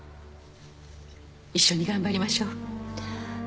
一緒に頑張りましょう